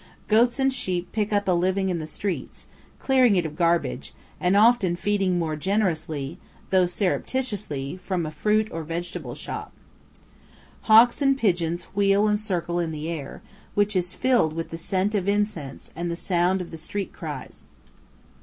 Goats and sheep pick up a living in the streets, clearing it of garbage, and often feeding more generously, though surreptitiously, from a fruit or vegetable shop. Hawks and pigeons wheel and circle in the air, which is filled with the scent of incense and the sound of the street cries.